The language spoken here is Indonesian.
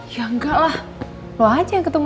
ya enggak lah lo aja yang ketemu